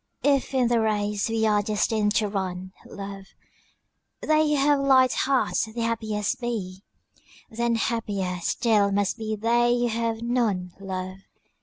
If in the race we are destined to run, love, They who have light hearts the happiest be, Then happier still must be they who have none, love.